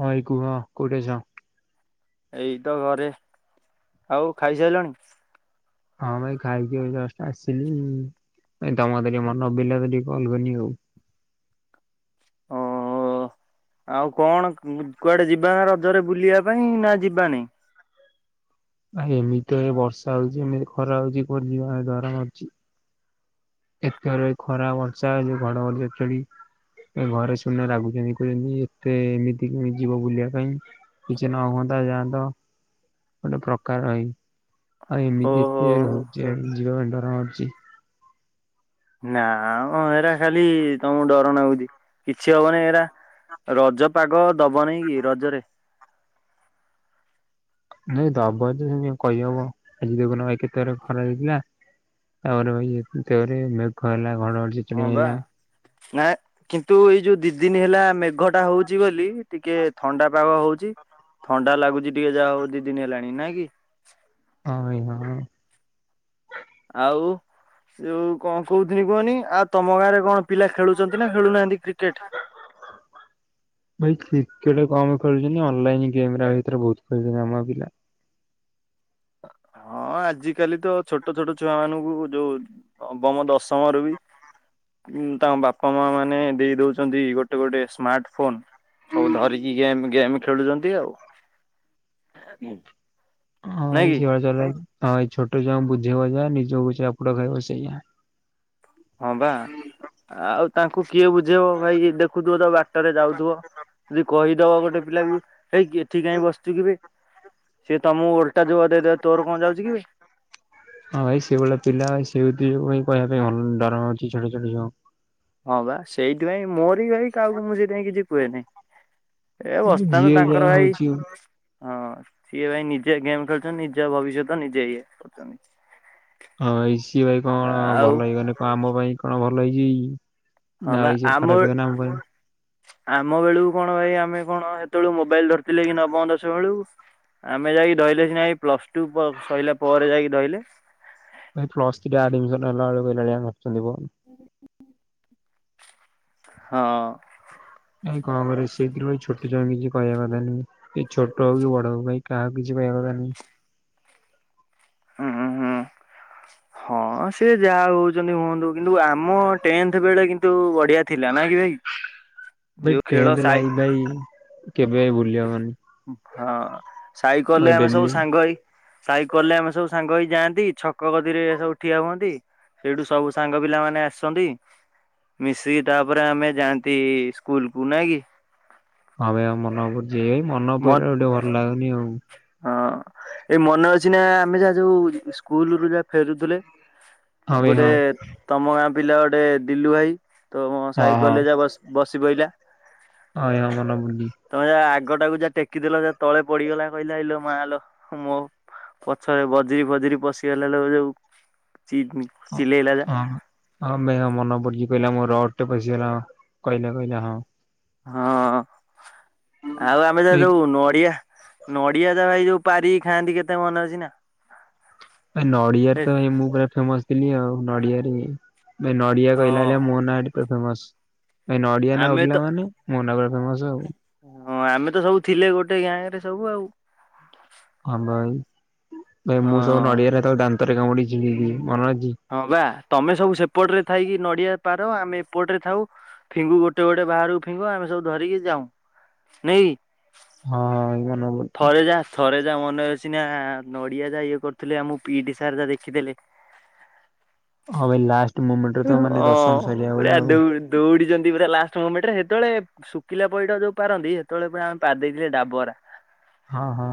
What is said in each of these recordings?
ହଁ ଭାଇ କୁହ କୋଉଠି ଅଛ? ଏଇତ ଘରେ। ଆଉ ଖାଇସାଇଲଣି? ହଁ ଭାଇ ଖାଇକି ଏବେ ଜଷ୍ଟ ଆସିଲି। କାଇଁ ତମ କଥା ଟିକେ ମନ ବେଇଲା ବେଲି କଲ କଲି ଆଉ। ଓ ଆଉ କଣ ଉ କୁଆଡେ ଯିବା ନା ରଜରେ ବୁଲିବା ପାଇଁ ନା ଯିବାନି? ଭାଇ ଏମିତି ଏ ବର୍ଷା ହଉଚି ଏମିତି ଖରା ହଉଛି କୁଆଡେ ଯିବା ପାଇଁ ଡର ମାରୁଚି। ଏତେ ଯୋରେ ଖରା ବର୍ଷା ଯୋଉ ଘଡଘଡି ଚଡଚଡି ଏ ଘରେ ଶୁଣିଲେ ରାଗୁଛନ୍ତି କହୁଛନ୍ତି ଏତେ ଏମିତି କେମିତି ଯିବ ବୁଲିଆ ପାଇଁ କିଛି ନ ହୁଅନ୍ତା ଯାଆନ୍ତ ଗୋଟେ ପ୍ରକାର ଭାଇ। ଆଉ ଏମିତି ଓହୋ ଏତେ ହଉଚି ଆଉ ଯିବା ପାଇଁ ଡର ମାଡୁ ଚି ନା ମ ଏଇରା ଖାଲି ତମକୁ ଡର ନାଗୁଚି କିଛି ହବନି ଏଇଡା ରଜ ପାଗ ଦବ ନେଇ କି ରଜରେ। ନାଇଁ ଦବ ଯେ ସେମିତି କଣ କହି ହବ, ଆଜି ଦେଖୁନ ଏ କେତେ ଜୋର ଖରା ହେଇଥିଲା ତାପରେ ଭାଇ ଇଏ ଉଁ ତାପରେ ମେ ଘ ହେଲା ଘଡଘଡି ହଁ ବିଜୁଳି ବା ମାଇଲା। ନା କିନ୍ତୁ ଏଇ ଯୋଉ ଦି ଦିନି ହେଲା ମେଘ ଟା ହଉଚି ବୋଲି ଟିକେ ଥଣ୍ଡାପାଗ ହଉ ଚି, ଥଣ୍ଡା ଲାଗୁଚି ଟିକେ ଯାହଉ ଦି ଦିନି ହେଲାଣି ନାଇଁ କି ହଁ, ଭାଇ ହଁ, ହଁ। ଆଉ ସେଉ କଣ କହୁଥିଲି କୁହନି ଆ ତୋମ ଗାଁରେ କଣ ପିଲା ଖେଳୁଚନ୍ତି ନା ଖେଳୁନାହାନ୍ତି କ୍ରିକେଟ୍? କମ୍ ଖେଳୁଚନ୍ତି, ଅନଲାଇନ୍ ଗେମ୍ ତା ଭିତରେ ବହୁତ ଖେଳୁଚନ୍ତି ଆମ ପିଲା। ହଁ ଆଜିକାଲି ତ ଛୋଟ ଛୋଟ ଛୁଆ ମାନଙ୍କୁ ଯୋଉ ନବମ ଦଶମରୁ ବି ଉଁ, ତାଙ୍କ ବାପା ମା ମାନେ ଦେଇ ଦଉଚନ୍ତି ଗୋଟେ ଗୋଟେ ସ୍ମାର୍ଟ ଫୋନ୍ ସବୁ ଧରିକି ଗେମ୍ ଗେମ୍ ଖେଳୁଚନ୍ତି ଆଉ। ହଁ ନାଇଁ ଏଇ କି ଝିଅ ଚଲାକି ହଁ ଏଇ ଛୋଟ ଛୁଆଙ୍କୁ ବୁଝେଇବ ଯାହା ନିଜକୁ ଚାପୁଡା ଖାଇବ ସେଇଆ। ହଁ ବା ଆଉ ତାଙ୍କୁ କିଏ ବୁଝେଇବ ଭାଇ ଇଏ ଦେଖୁଥୁବ ତ ବାଟରେ ଯାଉଥୁବ। ଯଦି କହିଦବ ଗୋଟେ ପିଲାକୁ ହେଇ ଏଠି କାଇଁ ବସଚୁ କିିରେ ସିଏ ତୋମକୁ ଓଲଟା ଜବାବ ଦେଇଦବ ହଁ ଭାଇ ସେ ଭଳିଆ ପିଲା ଆଉ ସେଇଥିପାଇଁ କହିବା ପାଇଁ ହଁ ଡର ମାଡୁଚି, ଛୋଟ ଛୋଟ ଛୁଆ ହଁ ବା ସେଇଥିପାଇଁ ମୋ [inaudible] ଭାଇ କାହାକୁ ମୁଁ ସେଇଥିପାଇଁ କିଛି ହୁଏ ନାହିଁ। ଏ ଭାଇ ବସଥାନ୍ତୁ ଯିଏ ଯାହା ତାଙ୍କର ଭାଇ, ହଉଛି ଆଉ। ହଁ। ସିଏ ଭାଇ ନିଜେ ଗେମ୍ ଖେଳୁଛନ୍ତି। ନିଜେ ଭବିଷ୍ୟତ ନିଜେ ଇଏ କରୁଚନ୍ତି। ହଁ ଏଇ ସିଏ ଭାଇ କଣ ଭଲ ହେଇଗଲେ, କଣ ଆମ ପାଇଁ କଣ ଭ ଭଲ ହେଇଯିବେ କି। ହଁ ନା ବା ଏଇ ଯେଉ ଆମ ଖରାପ ହେନା ଆମ ପାଇଁ। ଆମ ବେଳକୁ କଣ ଭାଇ ଆମେ କଣ ଏତେବେଳୁ ମୁ ବାଇଲ ଧରିଥିଲେ କି ନବମ ଦଶମ ବେଳକୁ। ଆମେ ଯାଇକି ଧଇଲେ ସିନା ଏଇ ପ୍ଲସ ଟୁ ପ-ସଇଲା ପରେ ଯାଇକି ଧଇଲେ। ନେଲା ବେଳକୁ [unintelligible] [unintelligible] ହଁ। ଭାଇ କଣ କରିବି ସେଇଥିରୁ ଭାଇ ଛୋଟ ଛୁଆଙ୍କୁ କିଛି କହିବା କଥା ନୁହେଁ। କି ଛୋଟ ହଉ କି ବଡ ହଉ ଭାଇ କାହାକୁ କିଛି କହିବା କଥା ନାଇଁ। ହଁ, ହଁ। ହଁ ସେ ଯାହା ହଉଚନ୍ତି ହୁଅନ୍ତୁ। କିନ୍ତୁ ଆମ ଟେନ୍ଥ ବେଳେ କିନ୍ତୁ ବଢିଆ ଥିଲା ନା କି ଭାଇ। ବେ ଯୋଉ ଖେଳ ଟେନ୍ଥ ସାଇ ଲାଇଫ୍ ଭାଇ କେବେ ଭୁ ଭୁଲି ହବନି। ହଁ। ସାଇକଲେ ଭାଇ ଆମେ ସବୁ ଡେଲି ହଁ ସାଙ୍ଗ ହେଇ ସାଇକଲେ ଆମେ ସବୁ ସାଙ୍ଗ ହେଇ ଯାଆଁନ୍ତି ଛକ ଗଦିରେ ସବୁ ଠିଆ ହୁଅଁନ୍ତି। ସେଇଠୁ ସବୁ ସାଙ୍ଗ ପିଲା ମାନେ ଆସନ୍ତି। ମିଶିକି ତାପରେ ଆମେ ଯାଆଁନ୍ତି ସ୍କୁଲକୁ ନାଇଁ କି। ହଁ ଭାଇ ଆଉ ମନ ବୁ ଯିଏ ମନ ମ ପଇଲା ଗୋଟେ ଭଲ ଲାଗୁନି ଆଉ। ହଁ ଏଇ ମନେ ଅ କିଛିନା ଆମେ ଯାହା ଯୋଉ ସ୍କୁଲୁ ରୁ ଯାହା ଫେରୁଥିଲେ। ହଁ ଭାଇ ଗୋଟେ ହଁ ତମ ଗାଁ ପିଲା ଗୋଟେ ଦିଲୁ ଭାଇ। ତ ମୋ ସାଇକଲେ ଯୋଉ ବସ ବସି ପଇଲା। ଆୟା ମନେ ପଡୁନି। ଗଟାକୁ ଯା ଟେକିଦେଲ ଯା ତଳେ ପଡିଗଲା। କହିଲା ଇଲୋ ମାଲୋ ମୋ ପଛରେ ବଜିରି ଫଜିରି ପଶିଗଲା ଲୋ ଯୋଉ। ଚି ହ ଚିଲେଇଲା ଯା। ହଁ ହମେୟ ମନେ ପଡିଚି। କହିଲା ମୋର ରଡ୍ ଟେ ପସିିଗଲା। କହିଲା କହିଲା ହଁ। ହଁ। ଆଉ ଆମେ ଯା ଭାଇ ଯୋଉ ନଡିଆ ନଡିଆ ଯା ଏଇ ଯୋଉ ପାରିକି ଖାଆଁନ୍ତି କେତେ ମନେ ଅଚି ନା। ନଡିଆରେ ଏ ତ ଏଇ ମୁଁ ପୁରା ଫେମସ ଥିଲି ଆଉ। ନଡିଆରେ। ନଡିଆ ହଁ କହିଲା ଅଳିଆ ମୋ ନାରେ। କେତେ ଫେମସ। ଏ ନଡିଆ ନା ଆମେ ଉଠିଲା ତ ମାନେ ମୋ ନାଆଁ ପୁରା ଫେମସ ଆଉ। ହଁ ଆମେ ତ ସବୁ ଥିଲେ ଗୋଟେ ଗ୍ୟାଙ୍ଗରେ ସବୁ ଆଉ। ହଁ ଭାଇ ଭାଇ ମୁଁ ସବୁ ହଁ। ନଡିଆରେ ତାକୁ ଦାନ୍ତ ଦାନ୍ତରେ କାମୁଡିକି ଜିବି ଜିବି। ହଁ ବା ତମେ ସବୁ ସେପଟରେ ଥାଇକି ନଡିଆ ପାର ଆମେ ଏପଟରେ ଥାଉ ଫିଙ୍ଗୁ ଗୋଟେ ଗୋଟେ ବାହାରକୁ ଫିଙ୍ଗୁ। ଆମେ ସବୁ ଧରିକି ଯାଉ ନାକି। ହଁ। ମନେ ପଡୁଛି ଥରେ ଯା ଥରେ ଯା ମନେ ଅଛି ନା ନଡିଆ ଯା ଇଏ କରୁଥିଲେ। ଆମ ପିଇଟି ସାର ଯା ଦେଖିଦେଲେ। ହଁ ବେ ଲାଷ୍ଟ ମୁମେଣ୍ଟରେ ତ ମାନେ ଅଁ ଦଶମ ସରିଲା ବେଳେ ପୁରା ଆଉ। ଦୌଡ଼ ଦୌଡିଛନ୍ତି ପୁରା ଲାଷ୍ଟ ମୁମେଣ୍ଟ ରେ ହେତୋଳେ ଶୁଖିଲା ପଇଡ ଯୋଉ ପାରନ୍ତି ହେତୋଳେ ପୁରା ପାରିଦେଇଥିଲେ ଡାବରା। ହଁ ହଁ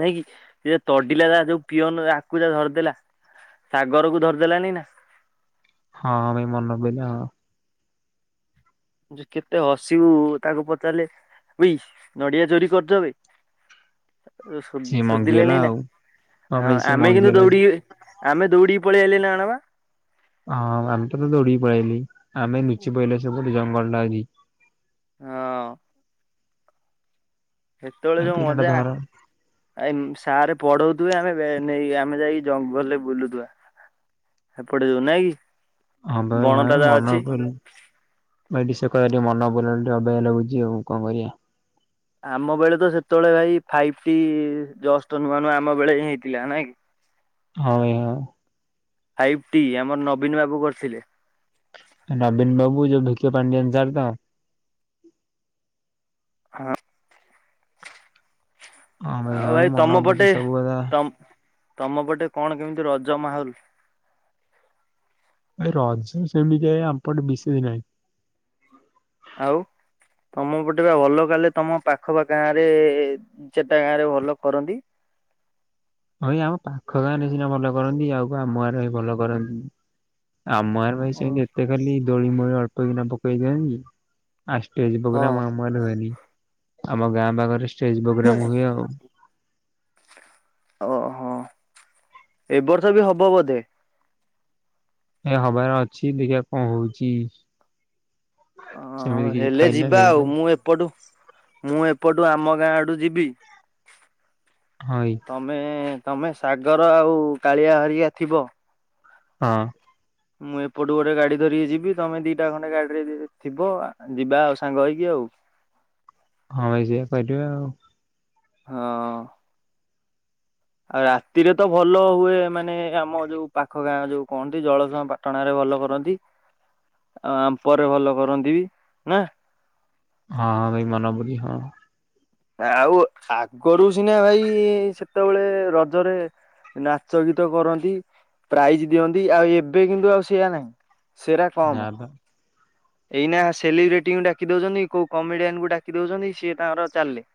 ନାଇଁ କି ସେ ଯା ତଡିଲା ଯା ଯୋଉ ପିଅନ ଆକୁ ଯା ଧରିଦେଲା ସାଗରକୁ ଧରିଦେଲାନି ନା। ହଁ ଭାଇ ମନେପଇଲା ହଁ। ଯେ କେତେ ହସିବୁ ତାକୁ ପଚାଲେ ଉଇ ନଡିଆ ଚୋରି କରୁଚବେ। ସୋଦ ସିଏ ମଙ୍ଗିଗଲା ସୋଦିଲେନି ନା ଆଉ ।ହଁ ଭାଇ ସିଏ ଆମେ କିନ୍ତୁ ମଙ୍ଗିଗଲା। ଦୌଡିକି ଆମେ ଦୌଡିିକି ପଳେଇ ଆଇଲେ ନା କଣ ଆଣବା। ହଁ ଆମେତ ତ ଦୌଡ଼ିକି ପଳେଇ ଆଇଲି। ଆମେ ନିଚି ପଇଲେ ସବୁ। ଜଙ୍ଗଲ ଟା ଜିି ହଁ ସେତେବେଳେ ଏ ଯୋଉ ପିଲାଟା ମଜା ଧର ଆ ସ ପଢଉଥିବେ ଆମେ ନେଇ ଆମେ ଯାଇକି ଜଙ୍ଗଲରେ ବୁଲୁଥିବା ଏପଟେ ଯଉ ନାଇଁ କି? [unintelligible] କହ ଟିକେ ବଣଟା ଯା ଅଛି। ମନ ବଲ ଟିକେ ଅବାଗିଆ ବୁଝି ଆଉ କଣ କରିବା? ଆମ ବେଳେ ତ ସେତେବେଳେ ଭାଇ ଫାଇପ୍ଟି ଜଷ୍ଟ ନୂଆ ନୂଆ ଆମ ବେଳେ ହିଁ ହେଇଥିଲା ନାଇଁ କି? ହଁ ଭାଇ ହଁ। ଫାଇପ୍ଟି ଆମର ନବୀନ ବାବୁ କରିଥିଲେ। ନଵୀନ ବାବୁ ଯୋଉ ଭିକେ ପାଣ୍ଡିଆନ ସାର ତ ହଁ ହଁ ଭାଇ ଆଉ ଭାଇ ତମ ମନ ପଟେ ପଛି ସବୁ ବେଳେ ଏଁ ତମ ତମ ପଟେ କଣ କେମିତି ରଜ ମାହୋଲ? ଏ ରଜ ସେମିତି ଆଜ୍ଞା ଆମ ପଟେ ବିଶେଷ ନାହିଁ ଆଉ ତମ ପଟେ ଭଲ କଲେ ତମ ପାଖ ବା ଗାଁ ରେ ଚଟା ଗାଁ ରେ ଭଲ କରନ୍ତି? ହଁ ଏଇ ଆମ ପାଖ ଗାଁରେ ନି ସିନା ଭଲ କରନ୍ତି ଆଉକୁ ଆମର ବି ଭଲ କରନ୍ତି। ଆମର ପାଇଁ ଓ ସେମିତି ଏତେ ଖାଲି ଦୋଳି ମଳି ଅଳ୍ପ ପକିନା ପକେଇ ଦିଅନ୍ତି। ଆ ଷ୍ଟେଜ୍ ହଁ ପ୍ରୋଗ୍ରାମ ଆମ ଗାଁ ରେ ହୁଏନି। ଆମ ଗାଁ ପାଖରେ ଷ୍ଟେଜ୍ ପ୍ରୋଗ୍ରାମ ହୁଏ ଆଉ। ଓହୋ ଏ ବର୍ଷ ବି ହବ ବୋଧେ? ଏ ହବାର ଅଛି ଦେଖିବା କଣ ହଉଚି ହଁ ହଁ ହେଲେ ଯିବା ଆଉ ମୁଁ ଏପଟୁ ମୁଁ ଏପଟୁ ଆମ ଗାଁ ଆଡୁ ଯିବି ଭାଇ ତମେ ମେଁ ମେଁ ତମେ ସାଗର ଆଉ କାଳିଆ ହରିକା ଥିବ ହଁ ମୁଁ ଏପଟୁ ଗୋଟେ ଗାଡି ଧରିକି ଯିବି। ତମେ ଦିଟା ଖଣ୍ଡେ ଗାଡିରେ ଥିବ ଯିବା ଆଉ ସାଙ୍ଗ ହେଇକି ଆଉ ହଁ ଭାଇ ଯିବା କରିବ ଆଉ ହଁ। ଆଉ ରାତିରେ ତ ଭଲ ହୁଏ। ମାନେ ଆମ ଯୋଉ ପାଖ ଗାଁ ଯୋଉ କହନ୍ତି ଜଳସୁଆଁ ପାଟଣାରେ ଭଲ କରନ୍ତି। ଆଉ ଆମ୍ପରେ ଭଲ କରନ୍ତି ବି ନା। ହଁ ହଁ ଭାଇ ମାନ ବୋଲି ହଁ ଆଉ ଆଗରୁ ସିନା ଭାଇ ସେତେବେଳେ ରଜରେ ନାଚ ଗୀତ କରନ୍ତି ପ୍ରାଇଜ ଦିଅନ୍ତି। ଆଉ ଏବେ କିନ୍ତୁ ଆଉ ସେଆ ନାହିଁ। ସେରା ନା କମ ବା ଏଇନା ସେଲିବ୍ରିଟିଙ୍କୁ ଡାକି ଦଉଛନ୍ତି। କୋଉ କମେଡିଆନଙ୍କୁ ଡାକି ଦଉଛନ୍ତି। ସିଏ ତାଙ୍କର ଚାଲିଲେ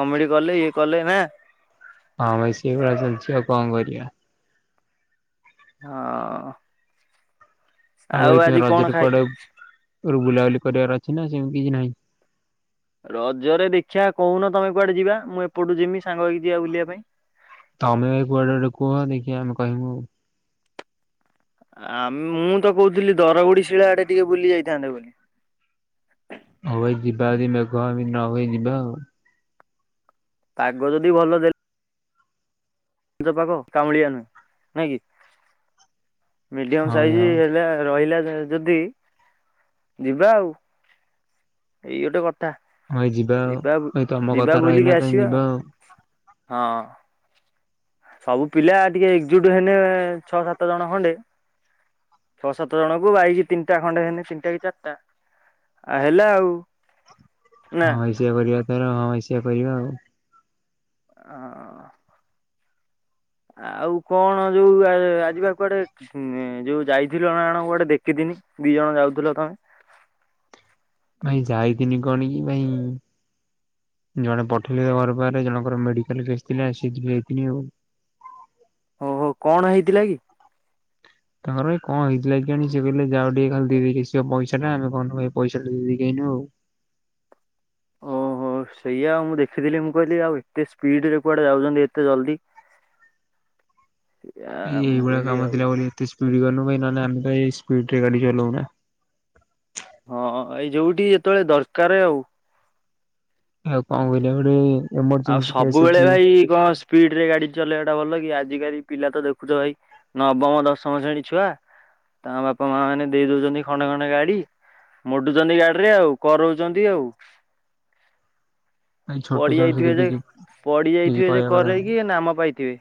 କମେଡି କଲେ ଇଏ କଲେ ନା ହଁ ଭାଇ ସେଇ ଭଳିଆ ଚାଲିଛି ଆଉ କଣ କରିବା। ହଁ। [inaudible] ଆଉ ଭାଇ ତମେ ଆଜି କଣ ରଜ ରେ ଖାଇ କୁଆଡେ କୁଆଡେ ବୁଲାବୁଲି କରିବାର ଅଛି ନା ସେମିତି କିଛି ନାହିଁ। ରଜରେ ଦେଖିଆ କହୁନ ତମେ କୁଆଡେ ଯିବା। ମୁଁ ଏପଟୁ ଯିମି ସାଙ୍ଗ ହେଇକି ଯିବା ବୁଲିବା ପାଇଁ। ତମେ ଏ କୁଆଡେ ଗଡେ କୁହ ଦେଖି ଆମେ କହିମି। ଆମେ ମୁଁ ତ କହୁଥିଲି ଦରଗୁଡି ଶିଳା ଆଡେ ଟିକେ ବୁଲି ଯାଇଥାନ୍ତେ ବୋଲି। [inaudible] ହ ଯିବା ଆଦେ [unintelligible] ପାଗ ଯଦି ଭଲ ଦେ ରଜ ପାଗ କାଉଁଳିଆ ନୁହେଁ ନାଇଁ କି? [inaudible] ମିଡିୟମ ହଁ ଭାଇ ହଁ ସାଇଜ ହେଲା ରହିଲା। ଯଦି [inaudible] ଯିବା ଆଉ ଏଇ ଗୋଟେ କ ହଇ ଯିବା ଆଉ ଏ ତମ ଯିବା କଥା ବୁଲିକି ରହିଲା ତନେ ଆସିବା ଯିବା ଆଉ ହଁ। ସବୁ ପିଲା ଟିକେ ଏକଜୁଟ ହେଲେେ ଛଅ ସାତ ଜଣ ଖଣ୍ଡେ ଛଅ ସାତ ଜଣଙ୍କୁ ବାଇକି ତିନିଟା ଖଣ୍ଡେ ହେଲେ ତିନିଟା କି ଚାରିଟା ଆଉ ହେଲା ଆଉ ନା। ହଁ ଏ ସେଆ କରିବା ତାର ହଁ ଆ କରିବା ଆଉ ଆଁ ଆଉ କଣ ଯୋଉ ଆଜିିବା କୁଆଡେ ଯୋଉ ଯାଇଥିଲ ନା କଣ କୁଆଡେ। ଦେଖିଥିନି ଦି ଜଣ ଯାଉଥିଲ ତମେ ଭାଇ ଯାଇଥିନି କଣ କି ଭାଇ [inaudible] ଜଣେ ପଠେଇଲେ ତ ଘର ବାହରେ ଜଣଙ୍କର ମେଡିକାଲ କେସ ଥିଲା ଆସି ଯାଇଥିଲି ଆଉ ଓ ହୋ କଣ ହେଇଥିଲା କି? ତାଙ୍କର ଏଇ କଣ ହେଇଥିଲା କେଆଣି ସେ କହିଲେ। ଯାଅ ଟିକେ ଖାଲି ଦେଇଦେଇକି ଆସିବ ପଇସା ଟା। ଆମେ ଗନୁ ଏଇ ପଇସା ଟା ଦେଇଦେଇକି ଆଇନୁ ଆଉ [inaudible] ଓହୋ ସେଇଆ ଆଉ ମୁଁ ଦେଖିଥିଲି। ମୁଁ କହିଲି ଆଉ ଏତେ ସ୍ପିଡ ରେ କୁଆଡେ ଯାଉଛନ୍ତି ଏତେ ଜଲଦି। [inaudible] ଆ ଇଏ ମୁଁ ଏଇଭଳିଆ କହିଲି କାମ ଆଉ ଥିଲା ବୋଲି ଏତେ ସ୍ପିଡରେ ଗାଡି ନ ମ ଆମେ କ ସ୍ପିଡ ରେ ଗାଡି ଚଲାଉନା [inaudible] ହଁ ଏଇ ଯୋଉଠି ଯେତେବେଳେ ଦରକାର ଆଉ ଆଉ କଣ [inaudible] କରିବା ଗୋଟେ ଆଉ ଏମରଜେନ୍ସି କେସ୍ ସବୁବେଳେ ଅଛି ଭାଇ କଣ ସ୍ପିଡ ରେ ଗାଡି ଚଲେଇବା ଟା ଭଲ କି ଆଜିକାଲି ପିଲା ତ ଦେଖୁଛ ଭାଇ ନବମ ଦଶମ ଶ୍ରେଣୀ ଛୁଆ ତାଙ୍କ ବାପା ମା ମାନେ ଦେଇ ଦଉଛନ୍ତି। ଖଣ୍ଡେ ଖଣ୍ଡେ ଗାଡି ମୋଡୁଛନ୍ତି ଗାଡିରେ ଆଉ କରଉଛନ୍ତି। ଆଉ [inaudible] ଭାଇ ଛୋଟ ପଡି ଛୁଆଙ୍କୁ ଯାଇଥିବେ ସେଥିରେ ଯେ କିଛି ପଡି କିଛି ଯାଇଥିବେ ଯେ କହିବା କଥା କରେ ନୁହେଁ। କିି ନାମ ପାଇଥିବେ।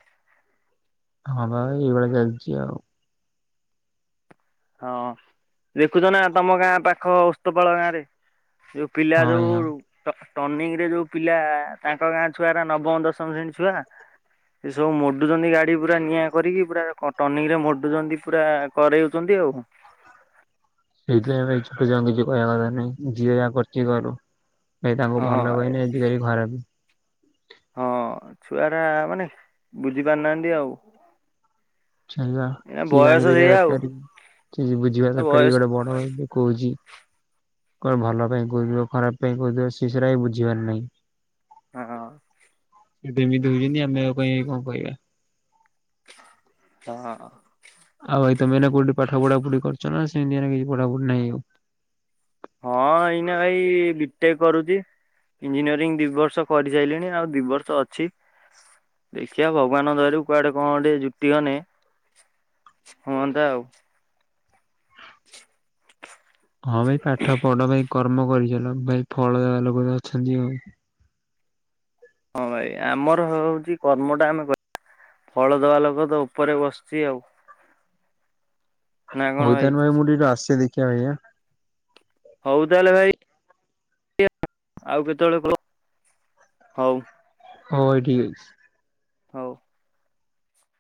ହଁ ବା ଏଇଭଳି ଚାଲିଛି ଆଉ ହଁ ଦେଖୁଛ ନା ତମ ଗାଁ ପାଖ ଉସ୍ତପାଳ ଗାଁ ରେ ଯୋଉ ପିଲା ହଁ ଭାଇ ହଁ। ଯୋଉ ଟର୍ଣ୍ନିଂ ରେ ଯୋଉ ପିଲା ତାଙ୍କ ଗାଁ ଛୁଆର ନବମ ଦଶମ ଶ୍ରେଣୀ ଛୁଆ ସେ ସବୁ ମଡୁଛନ୍ତି ଗାଡି ପୁରା ନିଆଁ କରିକି ପୁରା ଟର୍ନିଂ ରେ ମଡୁଛନ୍ତି ପୁରା କରରେ ଛନ୍ତି ଆଉ ସେଇଥିପାଇଁ ଭାଇ ଛୋଟ କିଛି କହିବା କଥା ନାଇଁ ଯିଏ ଯାହା କରଛି କରୁ । ଭାଇ ତାଙ୍କୁ ଭଲ ହଁ କହିଲି ଆଜିକାଲି ଖରପେ । ହଁ ଛୁଆ ଟା ମାନେ ବୁଝି ପାରୁନାହାନ୍ତି ଆଉ ଚା ଏଇନା ସ ବୟସ ଜାଣିପାରିବା ସେଇଆ ଆଉ ଦରକାରୀ ବୁଝିବା ଦରକାରୀ ବୟସ ଗୋଟେ ବଡ ଦଖ ହଉଛି । କଣ ଭଲ ପାଇଁ କହୁଥିବ ଖରାପ ପାଇଁ କହୁଥିବ ସି ସଟା ବି ବୁଝିବାର ନାହିଁ । ହଁ ସେ ଏମିତି ହଉଛନ୍ତି ଆମେ ପାଇଁ କଣ କହିବା ହଁ ଆଉ ଭାଇ ତମେ ନା କୋଉଠି ପାଠ ପଢା ପଢି କରୁଛ ନା ସେଆ କିଛି ପଢାପଢି ନାହିଁ ଆଉ ହଁ ଏଇନା ଭାଇ ବିଟେକ୍ କରୁଛି ଇଞ୍ଜିନିୟରିଂ ଦି ବର୍ଷ କରିସାରିଲିଣି ଆଉ ଦି ବର୍ଷ ଅଛି ଦେଖିବା ଭଗବାନ ଦରରୁ କୁଆଡେ କଣ ଟିକେ ଜୁଟିିକନେ ହୁଅନ୍ତା ଆଉ ହଁ ଭାଇ ପାଠ ପଢ କର୍ମ କରିଚଲ ଭାଇ ଫଳ ଦବା ଲୋକ ତ ଅଛନ୍ତି ଆଉ । ହଁ ଭାଇ ଆମର ହଉଛି କର୍ମଟା ଆମେ ଫଳ ଦବା ଲୋକ ତ ଉପରେ ବସିଛି ଆଉ। ନା କଣ ହଉଦାନ ଭାଇ ମୁଣ୍ଡି ଟା ଆସେ ଦେଖି କ ଭାଇଆ ହଉଦଲ ଭାଇ ଆଉ କେତେବେଳେ କ ହଉ। ହ ଏଇଠିକ ଅଛି। ହଉ